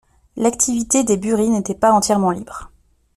L'activité des bueries n'était pas entièrement libre.